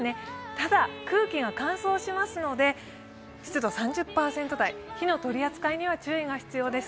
ただ、空気が乾燥しますので湿度３０％台、火の取り扱いには注意が必要です。